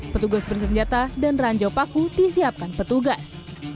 petugas bersenjata dan ranjau paku disiapkan petugas